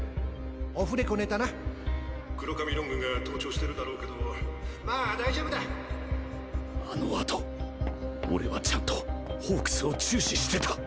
オフレコネタな黒髪ロングが盗聴してま大丈夫だあの後俺はちゃんとホークスを注視してた。